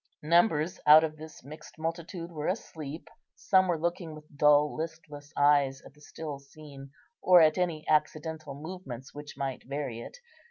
Numbers out of this mixed multitude were asleep; some were looking with dull listless eyes at the still scene, or at any accidental movements which might vary it.